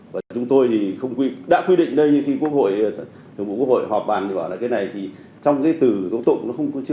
và chúng tôi thì đã quy định đây khi quốc hội thường vụ quốc hội họp bàn thì bảo là cái này thì trong cái từ tố tụng nó không có chưa dùng cái từ này